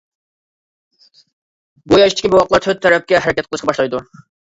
بۇ ياشتىكى بوۋاقلار تۆت تەرەپكە ھەرىكەت قىلىشقا باشلايدۇ.